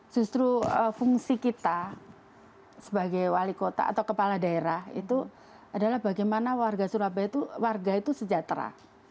justru fungsi kita sebagai wali kota atau kepala daerah itu adalah bagaimana warga surabaya itu warga itu sejahtera